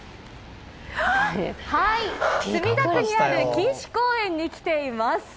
墨田区にある錦糸公園に来ています。